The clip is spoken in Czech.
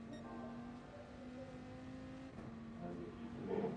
Klady bodové reprezentace se nejvíce projevují u přírodních objektů se složitým povrchem.